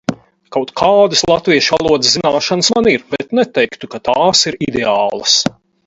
Kaut kādas latviešu valodas zināšanas man ir, bet neteiktu, ka tās ir ideālas.